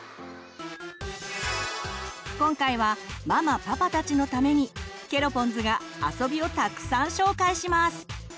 今回はママパパたちのためにケロポンズが遊びをたくさん紹介します！